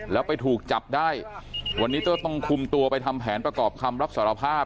แล้วไปถูกจับได้วันนี้ก็ต้องคุมตัวไปทำแผนประกอบคำรับสารภาพ